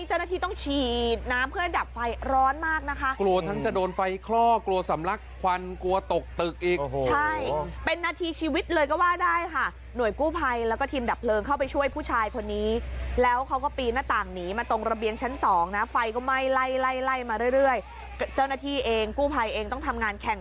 เจ้าหน้าที่ต้องฉีดน้ำเพื่อดับไฟร้อนมากนะคะกลัวทั้งจะโดนไฟคลอกกลัวสำลักควันกลัวตกตึกอีกโอ้โหใช่เป็นนาทีชีวิตเลยก็ว่าได้ค่ะหน่วยกู้ภัยแล้วก็ทีมดับเพลิงเข้าไปช่วยผู้ชายคนนี้แล้วเขาก็ปีนหน้าต่างหนีมาตรงระเบียงชั้นสองนะไฟก็ไหม้ไล่ไล่ไล่มาเรื่อยเจ้าหน้าที่เองกู้ภัยเองต้องทำงานแข่ง